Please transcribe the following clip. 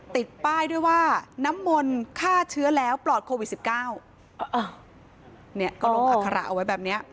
ติดป้ายด้วยว่าน้ำมนต์ฆ่าเชื้อแล้วปลอดโควิดสิบเก้าอ้าวเนี่ยก็ลงอัคระเอาไว้แบบเนี้ย